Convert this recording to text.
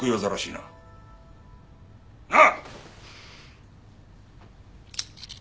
なあ！